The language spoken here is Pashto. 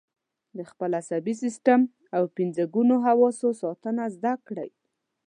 د خپل عصبي سیستم او پنځه ګونو حواسو ساتنه زده کړئ.